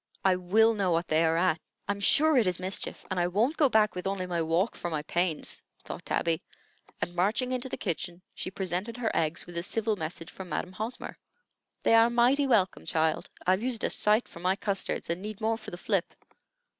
"I will know what they are at. I'm sure it is mischief, and I won't go back with only my walk for my pains," thought Tabby; and marching into the kitchen, she presented her eggs with a civil message from Madam Hosmer. "They are mighty welcome, child. I've used a sight for my custards, and need more for the flip.